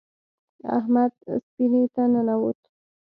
احمد سفینې ته ننوت.